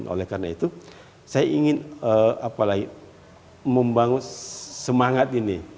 oleh karena itu saya ingin membangun semangat ini